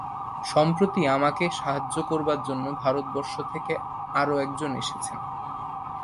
সম্প্রতি আমাকে সাহায্য করবার জন্য ভারতবর্ষ থেকে আর একজন এসেছেন।